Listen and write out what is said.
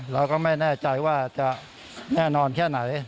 เราก็ไม่แน่ใจว่าจะแน่นอนแค่ไหน